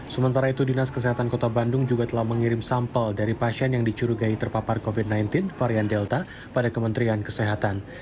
sementara itu dinas kesehatan kota bandung juga telah mengirim sampel dari pasien yang dicurigai terpapar covid sembilan belas varian delta pada kementerian kesehatan